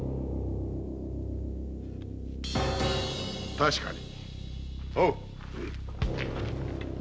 確かに。